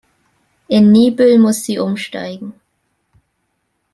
In Niebüll muss sie umsteigen.